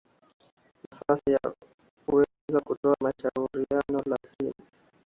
nafasi ya kuweza kutoa mashauriano lakini